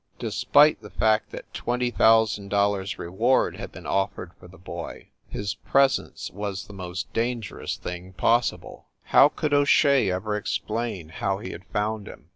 Despite the fact that twenty thousand dollars reward had been offered for the boy, his presence was the most dangerous thing possible. 288 FIND THE WOMAN How could O Shea ever explain how he had found him?